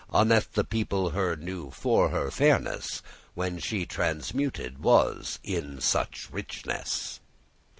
Unneth* the people her knew for her fairness, *scarcely When she transmuted was in such richess.